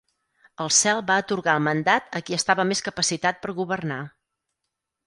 El Cel va atorgar el mandat a qui estava més capacitat per governar.